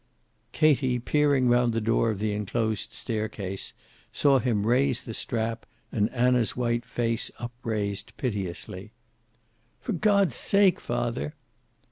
Katie, peering round the door of the enclosed staircase, saw him raise the strap, and Anna's white face upraised piteously. "For God's sake, father."